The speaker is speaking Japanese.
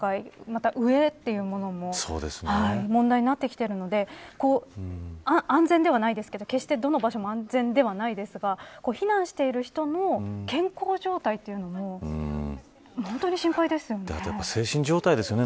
また飢えというものも問題になってきているので安全ではないですけど決してどの場所も安全ではないですが避難している人の健康状態というのも本当に心配ですね。